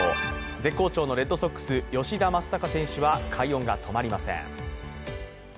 絶好調のレッドソックス吉田正尚選手は快音が止まりません。